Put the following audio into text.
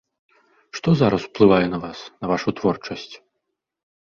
Што зараз ўплывае на вас, на вашу творчасць?